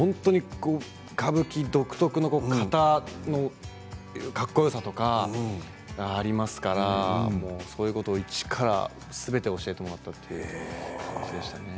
歌舞伎独特の型のかっこよさとかありますからそういうことを一からすべてを教えてもらったというかそんな感じでしたね。